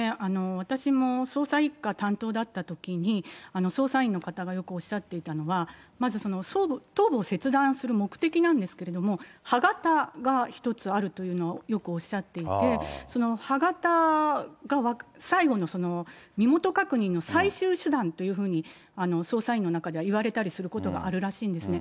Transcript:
私も捜査一課担当だったときに、捜査員の方がよくおっしゃっていたのが、まず頭部を切断する目的なんですけれども、歯形が一つあるというのはよくおっしゃっていて、その歯形が最後の身元確認の最終手段というふうに、捜査員の中ではいわれたりすることがあるらしいんですね。